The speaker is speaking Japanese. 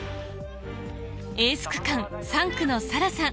エース区間３区のサラさん